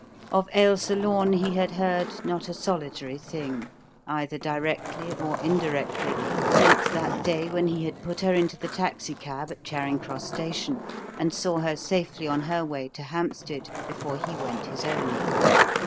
Of Ailsa Lorne he had heard not a solitary thing, either directly or indirectly, since that day when he had put her into the taxicab at Charing Cross Station and saw her safely on her way to Hampstead before he went his own.